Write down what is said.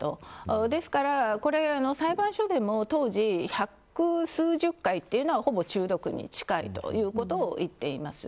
ですから、これは裁判所でも当時百数十回というのは、ほぼ中毒に近いということを言っています。